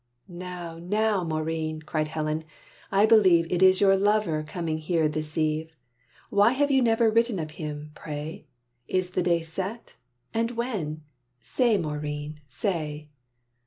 "Now, now, Maurine!" cried Helen, "I believe It is your lover coming here this eve. Why have you never written of him, pray? Is the day set? and when? Say, Maurine, say!"